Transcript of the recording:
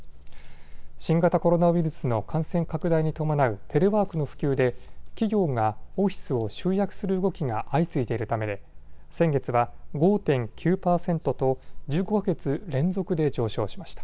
新型コロナウイルスの感染拡大に伴うテレワークの普及で企業がオフィスを集約する動きが相次いでいるためで先月は５．９％と１５か月連続で上昇しました。